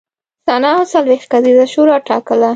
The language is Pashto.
سنا او څلوېښت کسیزه شورا ټاکله